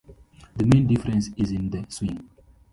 The main difference is in the swing.